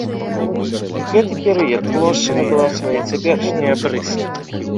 У гэты перыяд плошча набыла свае цяперашнія абрысы.